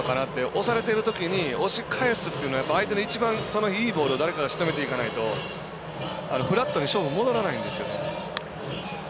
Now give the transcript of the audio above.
押されているときに押し返すというので相手の一番、その日いいボールを誰かがしとめていかないとフラットに勝負が戻らないんですよね。